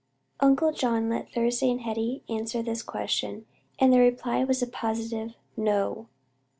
Uncle John let Thursday and Hetty answer this question, and their reply was a positive "no!"